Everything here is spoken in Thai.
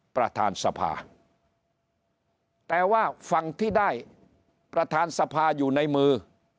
ประธานสภาแต่ว่าฝั่งที่ได้ประธานสภาอยู่ในมือ